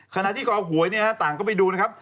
ขณะที่ก็เอาหวยนี่นะฮะต่างก็ไปดูนะครับ